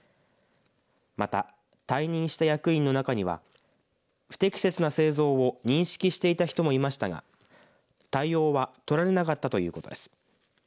また、退任した役員の中には不適切な製造を認識していた人もいましたが対応は取られなかったということです。